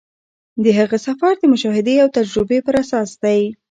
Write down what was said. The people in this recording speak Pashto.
د هغه سفر د مشاهدې او تجربې پر اساس دی.